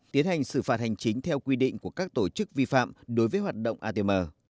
tiến hành xử phạt hành chính theo quy định của các tổ chức vi phạm đối với hoạt động atm